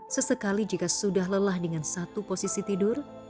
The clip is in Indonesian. sesekali jika sudah lelah dengan satu posisi tidur